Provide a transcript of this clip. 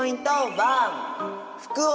１。